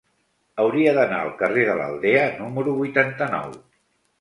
Hauria d'anar al carrer de l'Aldea número vuitanta-nou.